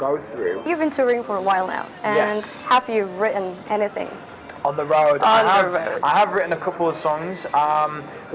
anda sudah lama bekerja di touring dan apakah anda telah menulis sesuatu